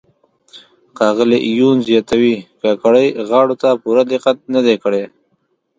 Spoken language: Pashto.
ښاغلي یون زیاتو کاکړۍ غاړو ته پوره دقت نه دی کړی.